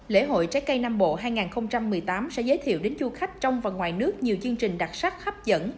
lễ hội trái cây nam bộ hai nghìn một mươi tám sẽ giới thiệu đến du khách trong và ngoài nước nhiều chương trình đặc sắc hấp dẫn